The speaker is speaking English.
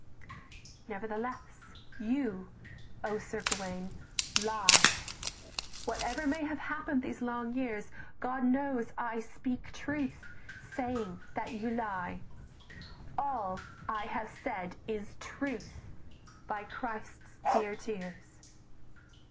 "Nevertheless you, O Sir Gauwaine, lie, Whatever may have happen'd these long years, God knows I speak truth, saying that you lie! "All I have said is truth, by Christ's dear tears."